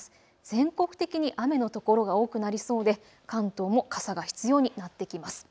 全国的に雨の所が多くなりそうで関東も傘が必要になってきます。